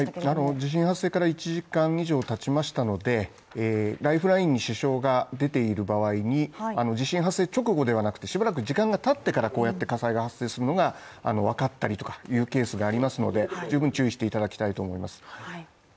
地震発生から１時間以上たちましたのでライフラインに支障が出ている場合に地震発生直後ではなくて、しばらく時間がたってからこうやって火災が発生するのが分かったりというケースがありますので十分注意していただきたいと思います。